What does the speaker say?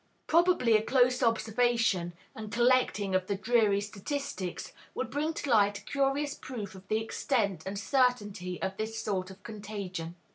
Probably a close observation and collecting of the dreary statistics would bring to light a curious proof of the extent and certainty of this sort of contagion.